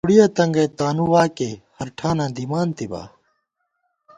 شِگالی لَؤڑِیَہ تنگَئ تانُو واکے، ہرٹھاناں دِمانتِبا